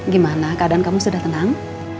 gimana keadaan kamu sudah tenang